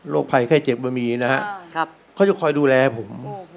โรคภัยแค่เจ็บมันมีนะฮะเขาจะคอยดูแลผม